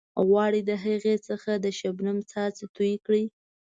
غواړئ د هغې څخه د شبنم څاڅکي توئ کړئ.